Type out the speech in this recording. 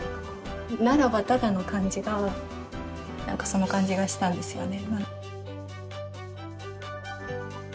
「ならばただ」の感じが何かその感じがしたんですよね。